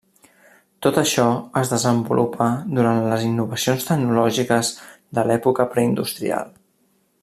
Tot això es desenvolupa durant les innovacions tecnològiques de l'època preindustrial.